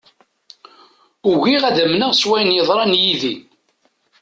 Ugiɣ ad amneɣ s wayen yeḍran yid-i.